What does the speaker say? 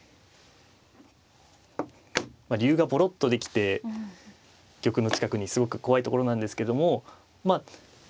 まあ竜がぼろっとできて玉の近くにすごく怖いところなんですけどもまあ４三歩成。